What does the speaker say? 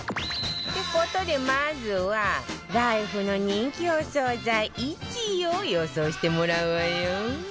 って事でまずはライフの人気お惣菜１位を予想してもらうわよ